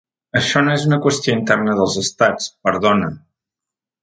Això no és una qüestió interna dels estats, perdona.